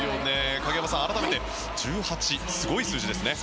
影山さん、改めて１８、すごい数字ですね。